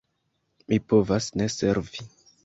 Mi povas ne servi.